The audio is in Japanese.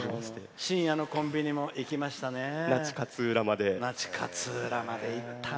深夜のコンビニも行きましたね。